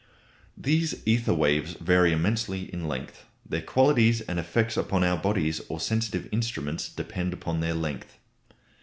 These ether waves vary immensely in length. Their qualities and effects upon our bodies or sensitive instruments depend upon their length.